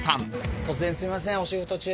突然すいませんお仕事中。